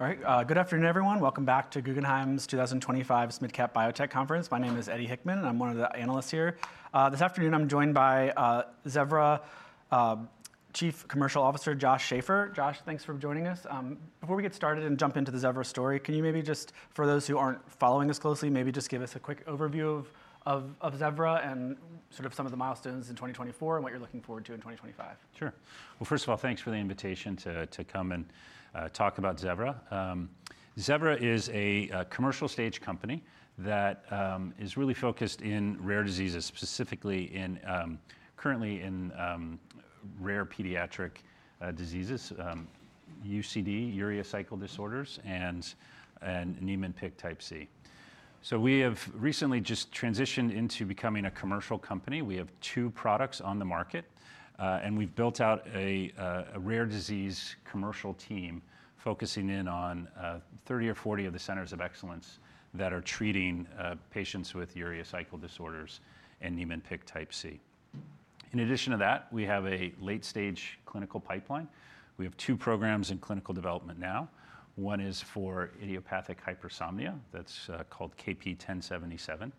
All right, good afternoon, everyone. Welcome back to Guggenheim's 2025 SMID Cap Biotech Conference. My name is Eddie Hickman, and I'm one of the analysts here. This afternoon, I'm joined by Zevra Chief Commercial Officer Josh Schafer. Josh, thanks for joining us. Before we get started and jump into the Zevra story, can you maybe just, for those who aren't following us closely, maybe just give us a quick overview of Zevra and sort of some of the milestones in 2024 and what you're looking forward to in 2025? Sure. Well, first of all, thanks for the invitation to come and talk about Zevra. Zevra is a commercial stage company that is really focused in rare diseases, specifically currently in rare pediatric diseases, UCD, urea cycle disorders, and Niemann-Pick type C. So we have recently just transitioned into becoming a commercial company. We have two products on the market, and we've built out a rare disease commercial team focusing in on 30 or 40 of the centers of excellence that are treating patients with urea cycle disorders and Niemann-Pick type C. In addition to that, we have a late-stage clinical pipeline. We have two programs in clinical development now. One is for idiopathic hypersomnia. That's called KP1077.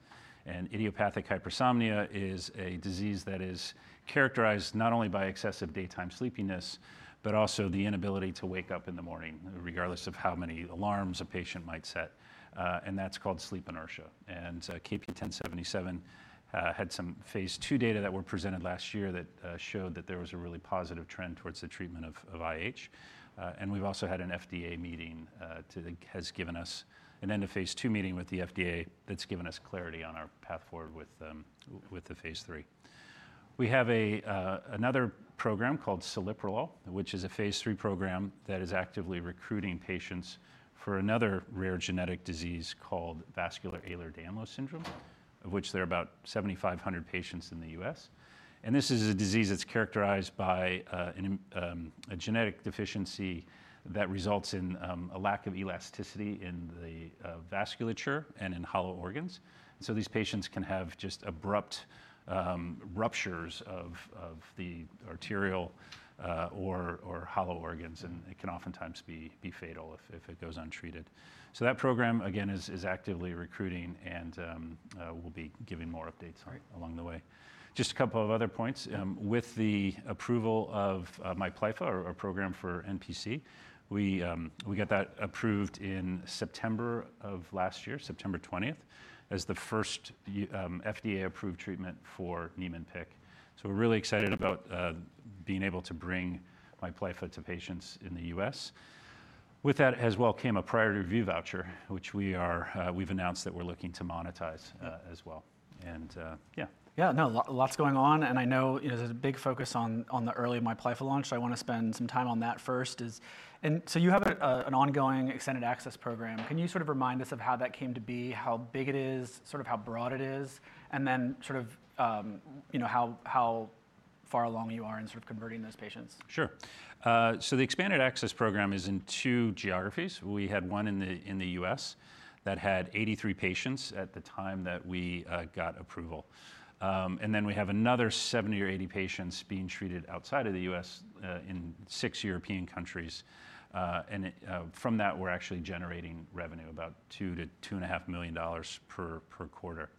Idiopathic hypersomnia is a disease that is characterized not only by excessive daytime sleepiness, but also the inability to wake up in the morning, regardless of how many alarms a patient might set. That's called sleep inertia. KP1077 had some Phase 2 data that were presented last year that showed that there was a really positive trend towards the treatment of IH. We've also had an FDA meeting that has given us an end of Phase 2 meeting with the FDA that's given us clarity on our path forward with the Phase 3. We have another program called celiprolol, which is a Phase 3 program that is actively recruiting patients for another rare genetic disease called vascular Ehlers-Danlos syndrome, of which there are about 7,500 patients in the U.S. This is a disease that's characterized by a genetic deficiency that results in a lack of elasticity in the vasculature and in hollow organs. These patients can have just abrupt ruptures of the arterial or hollow organs, and it can oftentimes be fatal if it goes untreated. That program, again, is actively recruiting and will be giving more updates along the way. Just a couple of other points. With the approval of Miplyffa, our program for NPC, we got that approved in September of last year, September 20th, as the first FDA-approved treatment for Niemann-Pick. We're really excited about being able to bring Miplyffa to patients in the U.S. With that as well came a priority review voucher, which we've announced that we're looking to monetize as well. Yeah. Yeah, no, lots going on. And I know there's a big focus on the early Miplyffa launch. I want to spend some time on that first. And so you have an ongoing Expanded Access Program. Can you sort of remind us of how that came to be, how big it is, sort of how broad it is, and then sort of how far along you are in sort of converting those patients? Sure. So the Expanded Access Program is in two geographies. We had one in the U.S. that had 83 patients at the time that we got approval. And then we have another 70 or 80 patients being treated outside of the U.S. in six European countries. And from that, we're actually generating revenue, about $2-$2.5 million per quarter.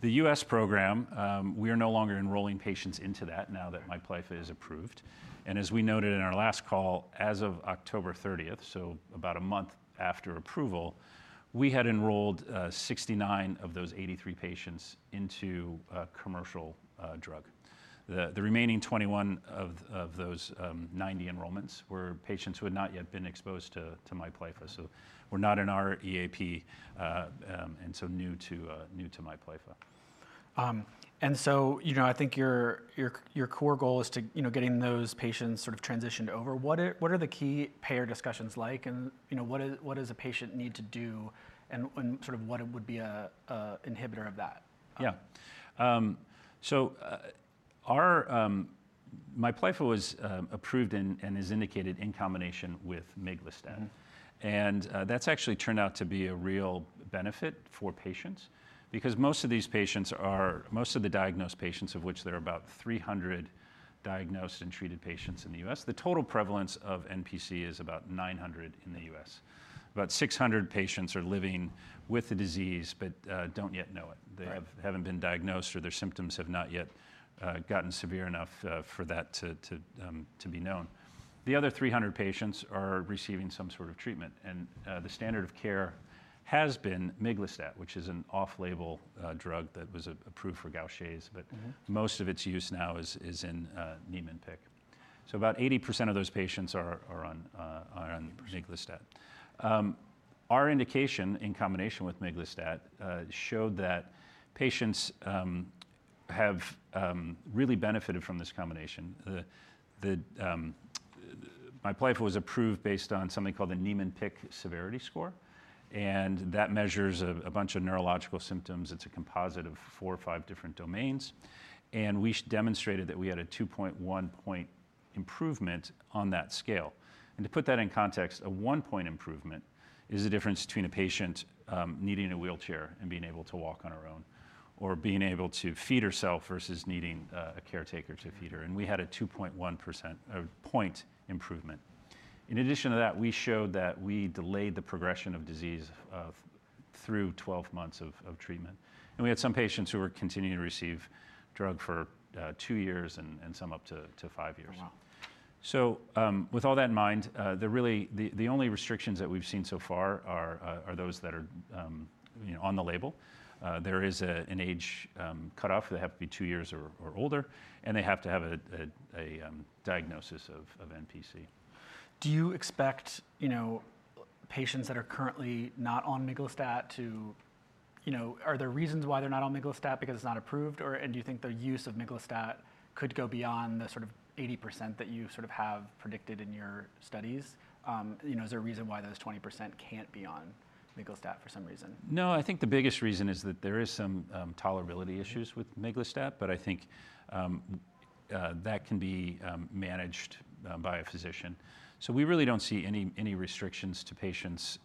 The U.S. program, we are no longer enrolling patients into that now that Miplyffa is approved. And as we noted in our last call, as of October 30th, so about a month after approval, we had enrolled 69 of those 83 patients into a commercial drug. The remaining 21 of those 90 enrollments were patients who had not yet been exposed to Miplyffa. So we're not in our EAP and so new to Miplyffa. And so I think your core goal is getting those patients sort of transitioned over. What are the key payer discussions like? And what does a patient need to do and sort of what would be an inhibitor of that? Yeah. So Miplyffa was approved and is indicated in combination with miglustat. And that's actually turned out to be a real benefit for patients because most of these patients are most of the diagnosed patients, of which there are about 300 diagnosed and treated patients in the U.S., the total prevalence of NPC is about 900 in the U.S. About 600 patients are living with the disease, but don't yet know it. They haven't been diagnosed or their symptoms have not yet gotten severe enough for that to be known. The other 300 patients are receiving some sort of treatment. And the standard of care has been miglustat, which is an off-label drug that was approved for Gaucher, but most of its use now is in Niemann-Pick. So about 80% of those patients are on miglustat. Our indication in combination with miglustat showed that patients have really benefited from this combination. Miplyffa was approved based on something called a Niemann-Pick Severity Score, and that measures a bunch of neurological symptoms. It's a composite of four or five different domains, and we demonstrated that we had a 2.1-point improvement on that scale. And to put that in context, a one-point improvement is the difference between a patient needing a wheelchair and being able to walk on her own or being able to feed herself versus needing a caretaker to feed her. And we had a 2.1-point improvement. In addition to that, we showed that we delayed the progression of disease through 12 months of treatment, and we had some patients who were continuing to receive drug for two years and some up to five years. So with all that in mind, the only restrictions that we've seen so far are those that are on the label. There is an age cutoff. They have to be two years or older, and they have to have a diagnosis of NPC. Do you expect patients that are currently not on miglustat to, are there reasons why they're not on miglustat because it's not approved? And do you think the use of miglustat could go beyond the sort of 80% that you sort of have predicted in your studies? Is there a reason why those 20% can't be on miglustat for some reason? No, I think the biggest reason is that there are some tolerability issues with miglustat, but I think that can be managed by a physician. So we really don't see any restrictions to patients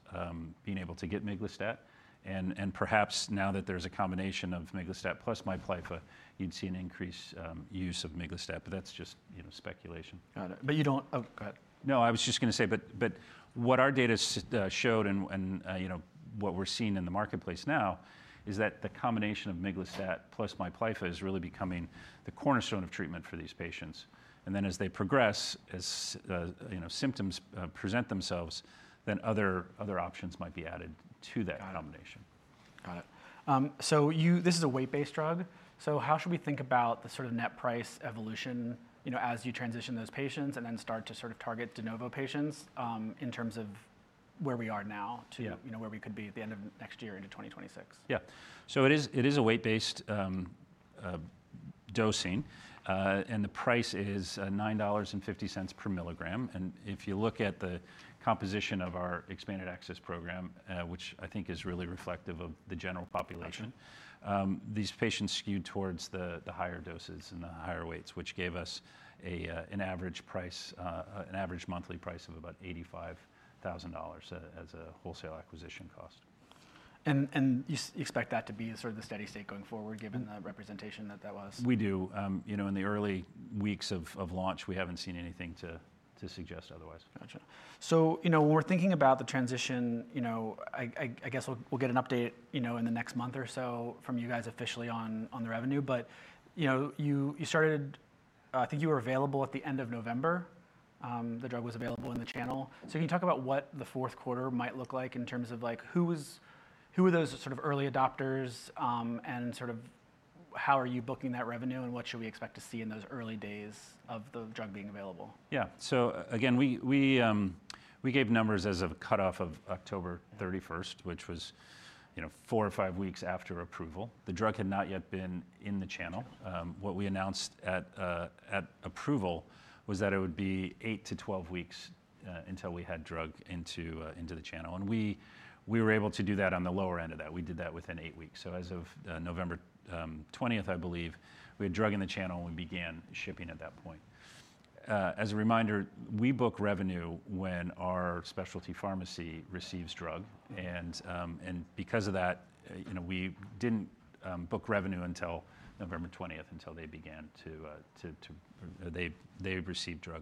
being able to get miglustat. And perhaps now that there's a combination of miglustat plus Miplyffa, you'd see an increased use of miglustat, but that's just speculation. Got it. But you don't, oh, go ahead. No, I was just going to say, but what our data showed and what we're seeing in the marketplace now is that the combination of miglustat plus Miplyffa is really becoming the cornerstone of treatment for these patients, and then as they progress, as symptoms present themselves, then other options might be added to that combination. Got it. So this is a weight-based drug. So how should we think about the sort of net price evolution as you transition those patients and then start to sort of target de novo patients in terms of where we are now to where we could be at the end of next year into 2026? Yeah, so it is a weight-based dosing, and the price is $9.50 per milligram, and if you look at the composition of our Expanded Access Program, which I think is really reflective of the general population, these patients skewed towards the higher doses and the higher weights, which gave us an average monthly price of about $85,000 as a wholesale acquisition cost. You expect that to be sort of the steady state going forward given the representation that that was? We do. In the early weeks of launch, we haven't seen anything to suggest otherwise. Gotcha. So when we're thinking about the transition, I guess we'll get an update in the next month or so from you guys officially on the revenue. But you started, I think you were available at the end of November. The drug was available in the channel. So can you talk about what the fourth quarter might look like in terms of who are those sort of early adopters and sort of how are you booking that revenue and what should we expect to see in those early days of the drug being available? Yeah, so again, we gave numbers as of cutoff of October 31st, which was four or five weeks after approval. The drug had not yet been in the channel. What we announced at approval was that it would be eight-12 weeks until we had drug into the channel. And we were able to do that on the lower end of that. We did that within eight weeks, so as of November 20th, I believe, we had drug in the channel and we began shipping at that point. As a reminder, we book revenue when our specialty pharmacy receives drug. And because of that, we didn't book revenue until November 20th they began to receive drug.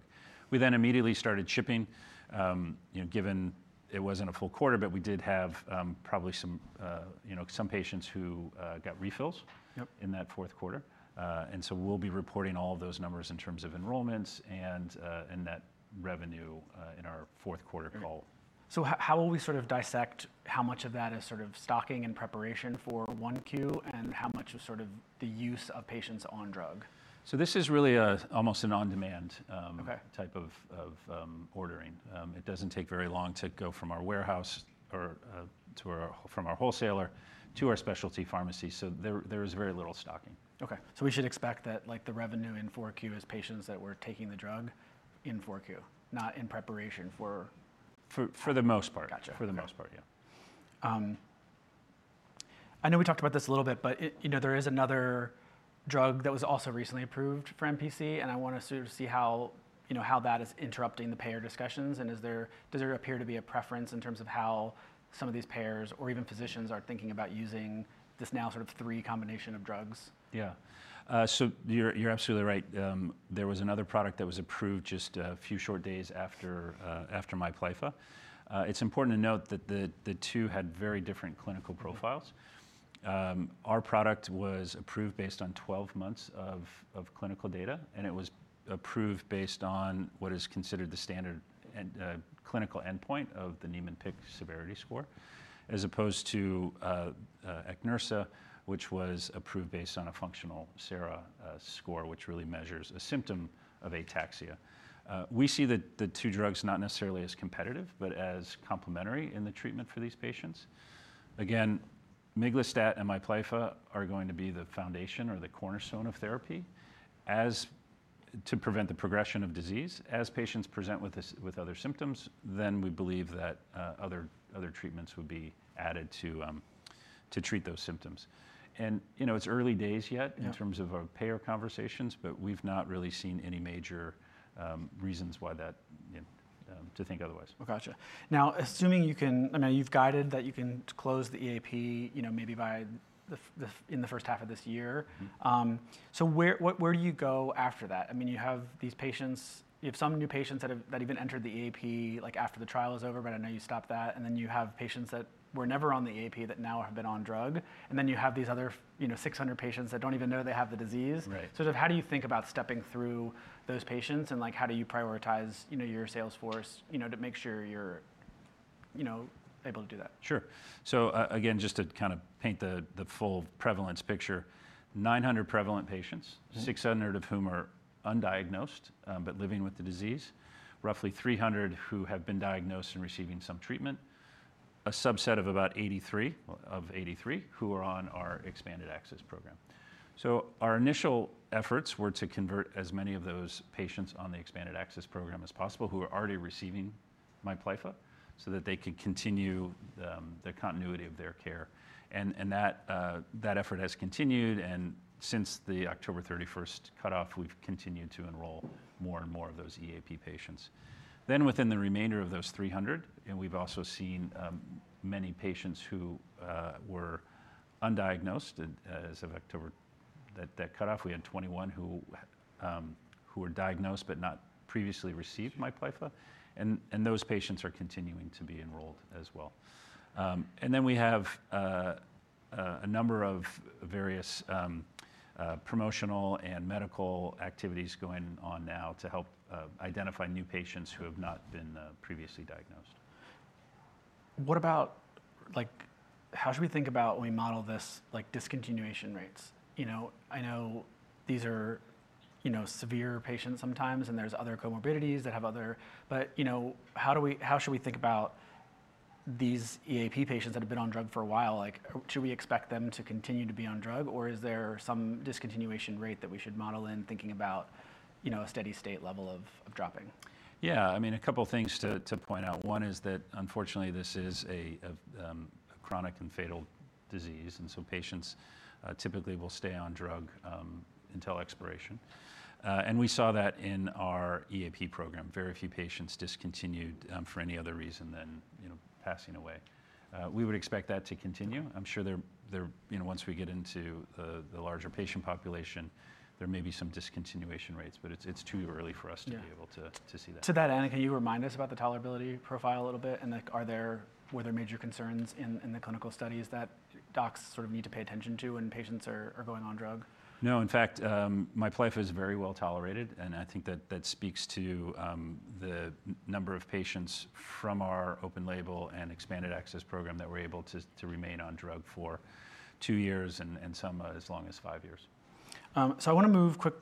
We then immediately started shipping. Given it wasn't a full quarter, but we did have probably some patients who got refills in that fourth quarter. We'll be reporting all of those numbers in terms of enrollments and that revenue in our fourth quarter call. So how will we sort of dissect how much of that is sort of stocking and preparation for Q1 and how much of sort of the use of patients on drug? This is really almost an on-demand type of ordering. It doesn't take very long to go from our warehouse or from our wholesaler to our specialty pharmacy. There is very little stocking. Okay, so we should expect that the revenue in Q4 is patients that were taking the drug in Q4, not in preparation for. For the most part. Gotcha. For the most part, yeah. I know we talked about this a little bit, but there is another drug that was also recently approved for NPC, and I want to sort of see how that is interrupting the payer discussions, and does there appear to be a preference in terms of how some of these payers or even physicians are thinking about using this now sort of three combination of drugs? Yeah. So you're absolutely right. There was another product that was approved just a few short days after Miplyffa. It's important to note that the two had very different clinical profiles. Our product was approved based on 12 months of clinical data, and it was approved based on what is considered the standard clinical endpoint of the Niemann-Pick Severity Score, as opposed to Aqneursa, which was approved based on a functional SARA score, which really measures a symptom of ataxia. We see the two drugs not necessarily as competitive, but as complementary in the treatment for these patients. Again, miglustat and Miplyffa are going to be the foundation or the cornerstone of therapy to prevent the progression of disease. As patients present with other symptoms, then we believe that other treatments would be added to treat those symptoms. It's early days yet in terms of our payer conversations, but we've not really seen any major reasons to think otherwise. Gotcha. Now, assuming you can, I mean, you've guided that you can close the EAP maybe in the first half of this year. So where do you go after that? I mean, you have these patients, you have some new patients that even entered the EAP after the trial is over, but I know you stopped that. And then you have patients that were never on the EAP that now have been on drug. And then you have these other 600 patients that don't even know they have the disease. So how do you think about stepping through those patients and how do you prioritize your sales force to make sure you're able to do that? Sure. So again, just to kind of paint the full prevalence picture, 900 prevalent patients, 600 of whom are undiagnosed but living with the disease, roughly 300 who have been diagnosed and receiving some treatment, a subset of about 83 who are on our Expanded Access Program. So our initial efforts were to convert as many of those patients on the Expanded Access Program as possible who are already receiving Miplyffa so that they can continue the continuity of their care. And that effort has continued. And since the October 31st cutoff, we've continued to enroll more and more of those EAP patients. Then within the remainder of those 300, and we've also seen many patients who were undiagnosed as of October, that cutoff, we had 21 who were diagnosed but not previously received Miplyffa. And those patients are continuing to be enrolled as well. We have a number of various promotional and medical activities going on now to help identify new patients who have not been previously diagnosed. What about, how should we think about when we model this discontinuation rates? I know these are severe patients sometimes, and there's other comorbidities that have other, but how should we think about these EAP patients that have been on drug for a while? Should we expect them to continue to be on drug, or is there some discontinuation rate that we should model in thinking about a steady state level of dropping? Yeah. I mean, a couple of things to point out. One is that unfortunately, this is a chronic and fatal disease. And so patients typically will stay on drug until expiration. And we saw that in our EAP program. Very few patients discontinued for any other reason than passing away. We would expect that to continue. I'm sure once we get into the larger patient population, there may be some discontinuation rates, but it's too early for us to be able to see that. To that end, can you remind us about the tolerability profile a little bit? And were there major concerns in the clinical studies that docs sort of need to pay attention to when patients are going on drug? No. In fact, Miplyffa is very well tolerated, and I think that speaks to the number of patients from our open label and Expanded Access Program that were able to remain on drug for two years and some as long as five years. So I want to move quick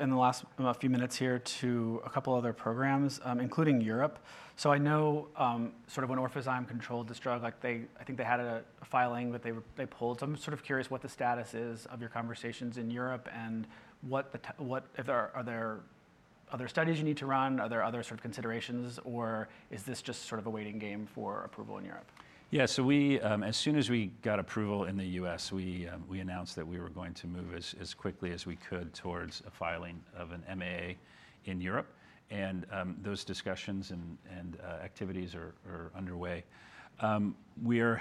in the last few minutes here to a couple of other programs, including Europe. So I know sort of when Orphazyme controlled this drug, I think they had a filing that they pulled. So I'm sort of curious what the status is of your conversations in Europe and are there other studies you need to run? Are there other sort of considerations, or is this just sort of a waiting game for approval in Europe? Yeah. So, as soon as we got approval in the U.S., we announced that we were going to move as quickly as we could towards a filing of an MAA in Europe. And those discussions and activities are underway. We're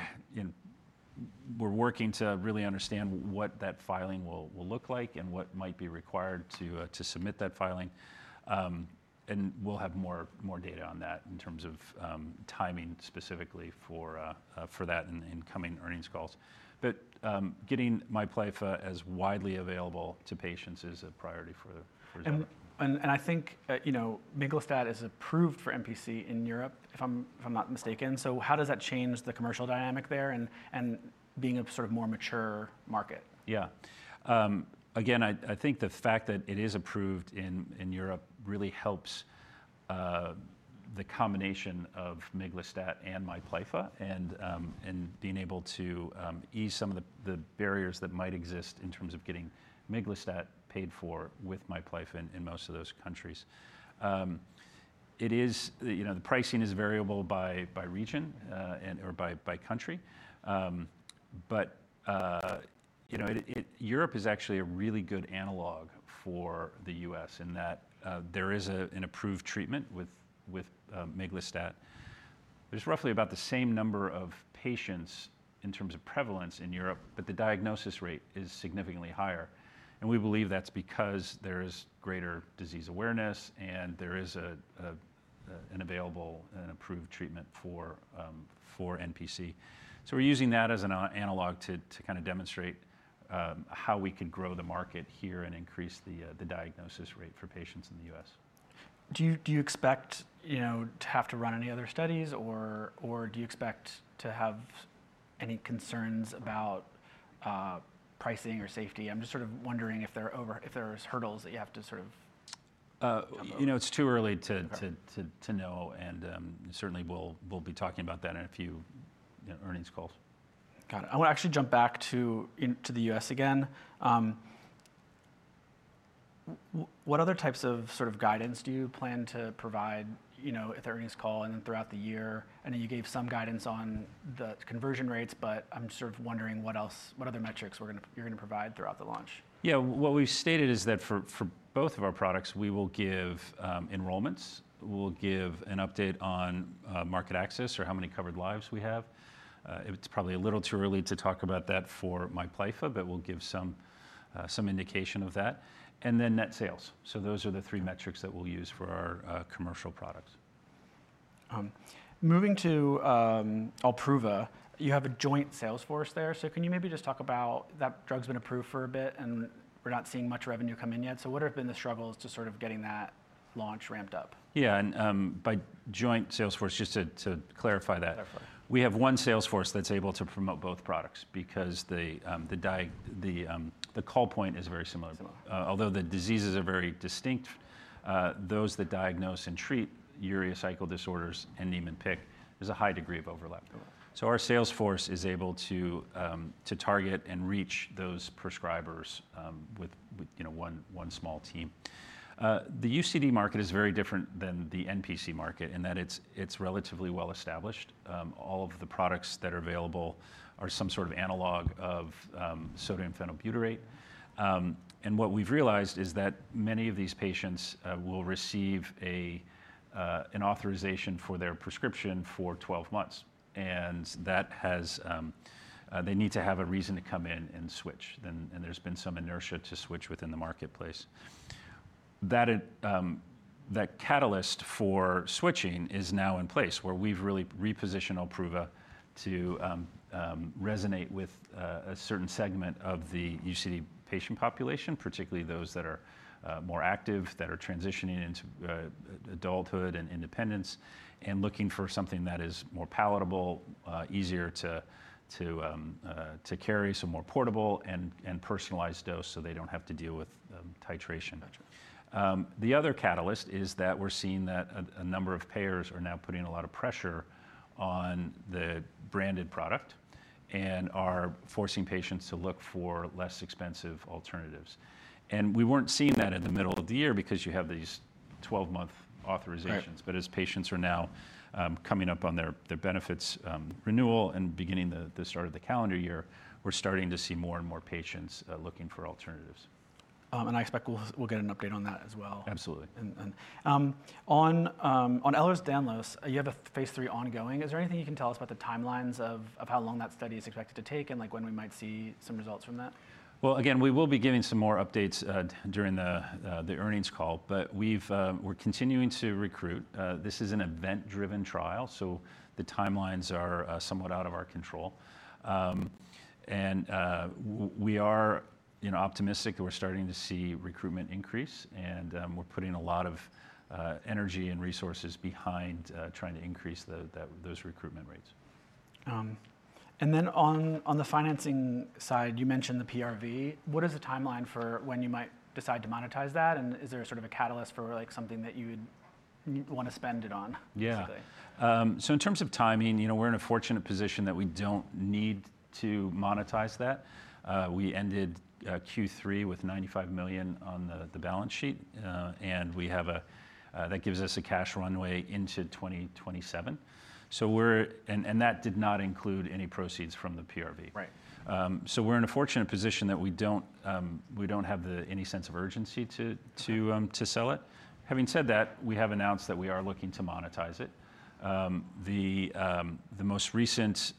working to really understand what that filing will look like and what might be required to submit that filing. And we'll have more data on that in terms of timing specifically for that in coming earnings calls. But getting Miplyffa as widely available to patients is a priority for Zevra. And I think miglustat is approved for NPC in Europe, if I'm not mistaken. So how does that change the commercial dynamic there and being a sort of more mature market? Yeah. Again, I think the fact that it is approved in Europe really helps the combination of miglustat and Miplyffa and being able to ease some of the barriers that might exist in terms of getting miglustat paid for with Miplyffa in most of those countries. The pricing is variable by region or by country. But Europe is actually a really good analog for the U.S. in that there is an approved treatment with miglustat. There's roughly about the same number of patients in terms of prevalence in Europe, but the diagnosis rate is significantly higher. And we believe that's because there is greater disease awareness and there is an available and approved treatment for NPC. So we're using that as an analog to kind of demonstrate how we can grow the market here and increase the diagnosis rate for patients in the US. Do you expect to have to run any other studies, or do you expect to have any concerns about pricing or safety? I'm just sort of wondering if there are hurdles that you have to sort of. It's too early to know, and certainly we'll be talking about that in a few earnings calls. Got it. I want to actually jump back to the U.S. again. What other types of sort of guidance do you plan to provide at the earnings call and then throughout the year? I know you gave some guidance on the conversion rates, but I'm sort of wondering what other metrics you're going to provide throughout the launch. Yeah. What we've stated is that for both of our products, we will give enrollments. We'll give an update on market access or how many covered lives we have. It's probably a little too early to talk about that for Miplyffa, but we'll give some indication of that, and then net sales, so those are the three metrics that we'll use for our commercial products. Moving to Olpruva, you have a joint sales force there. So can you maybe just talk about that drug's been approved for a bit and we're not seeing much revenue come in yet? So what have been the struggles to sort of getting that launch ramped up? Yeah. And by joint sales force, just to clarify that, we have one sales force that's able to promote both products because the call point is very similar. Although the diseases are very distinct, those that diagnose and treat urea cycle disorders and Niemann-Pick, there's a high degree of overlap. So our sales force is able to target and reach those prescribers with one small team. The UCD market is very different than the NPC market in that it's relatively well established. All of the products that are available are some sort of analog of sodium phenylbutyrate. And what we've realized is that many of these patients will receive an authorization for their prescription for 12 months. And they need to have a reason to come in and switch. And there's been some inertia to switch within the marketplace. That catalyst for switching is now in place where we've really repositioned Olpruva to resonate with a certain segment of the UCD patient population, particularly those that are more active, that are transitioning into adulthood and independence, and looking for something that is more palatable, easier to carry, so more portable and personalized dose so they don't have to deal with titration. The other catalyst is that we're seeing that a number of payers are now putting a lot of pressure on the branded product and are forcing patients to look for less expensive alternatives. And we weren't seeing that in the middle of the year because you have these 12-month authorizations. But as patients are now coming up on their benefits renewal and beginning the start of the calendar year, we're starting to see more and more patients looking for alternatives. I expect we'll get an update on that as well. Absolutely. On Ehlers-Danlos, you have a Phase 3 ongoing. Is there anything you can tell us about the timelines of how long that study is expected to take and when we might see some results from that? Again, we will be giving some more updates during the earnings call, but we're continuing to recruit. This is an event-driven trial, so the timelines are somewhat out of our control. We are optimistic that we're starting to see recruitment increase, and we're putting a lot of energy and resources behind trying to increase those recruitment rates. Then on the financing side, you mentioned the PRV. What is the timeline for when you might decide to monetize that? And is there sort of a catalyst for something that you would want to spend it on, basically? Yeah. So in terms of timing, we're in a fortunate position that we don't need to monetize that. We ended Q3 with $95 million on the balance sheet, and that gives us a cash runway into 2027. And that did not include any proceeds from the PRV. So we're in a fortunate position that we don't have any sense of urgency to sell it. Having said that, we have announced that we are looking to monetize it. The most recent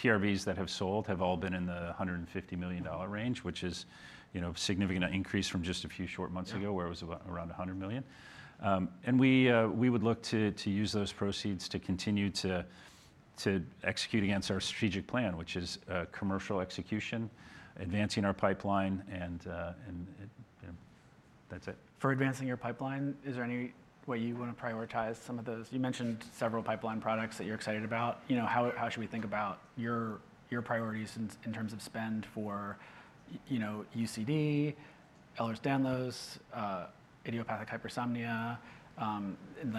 PRVs that have sold have all been in the $150 million range, which is a significant increase from just a few short months ago where it was around $100 million. And we would look to use those proceeds to continue to execute against our strategic plan, which is commercial execution, advancing our pipeline, and that's it. For advancing your pipeline, is there any way you want to prioritize some of those? You mentioned several pipeline products that you're excited about. How should we think about your priorities in terms of spend for UCD, Ehlers-Danlos, idiopathic hypersomnia, and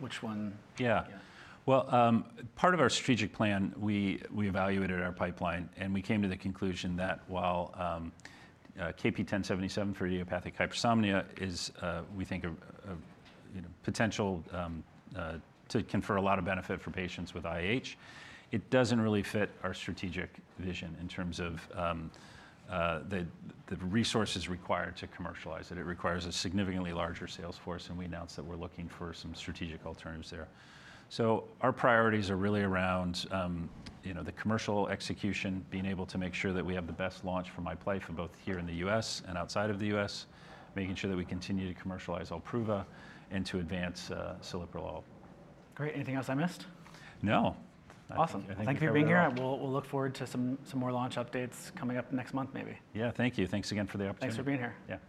which one? Yeah. Well, part of our strategic plan, we evaluated our pipeline, and we came to the conclusion that while KP1077 for idiopathic hypersomnia is, we think, potential to confer a lot of benefit for patients with IH, it doesn't really fit our strategic vision in terms of the resources required to commercialize it. It requires a significantly larger sales force, and we announced that we're looking for some strategic alternatives there. So our priorities are really around the commercial execution, being able to make sure that we have the best launch for Miplyffa both here in the U.S. and outside of the U.S., making sure that we continue to commercialize Olpruva and to advance celiprolol. Great. Anything else I missed? No. Awesome. Thank you for being here. We'll look forward to some more launch updates coming up next month, maybe. Yeah. Thank you. Thanks again for the opportunity. Thanks for being here.